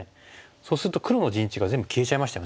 そうすると黒の陣地が全部消えちゃいましたよね。